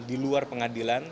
di luar pengadilan